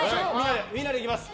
みんなでいきます。